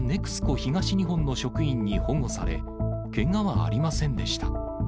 東日本の職員に保護され、けがはありませんでした。